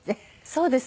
そうですね。